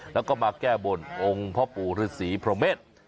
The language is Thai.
แล้วก็มาแก้บนองค์พ่อปู่ฤษีพระเมษ